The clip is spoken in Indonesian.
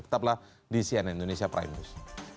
tetaplah di cnn indonesia prime news